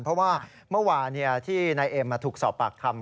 เพราะว่าเมื่อวานที่นายเอ็มถูกสอบปากคำ